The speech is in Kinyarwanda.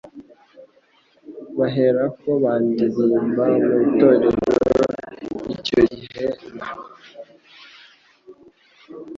baherako bandirimba mu itorero, icyo gihe na